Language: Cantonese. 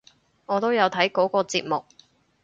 我都有睇嗰個節目！